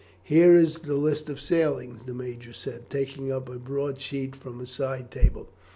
"Here is the list of sailings," the major said, taking up a broad sheet from a side table.